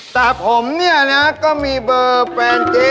แต่ผมเนี่ยนะก็มีเบอร์แฟนเจ๊